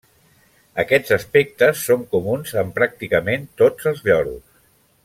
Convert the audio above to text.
Aquests aspectes són comuns en pràcticament tots els lloros.